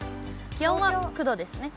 気温は９度ですね。